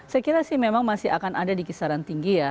saya kira sih memang masih akan ada di kisaran tinggi ya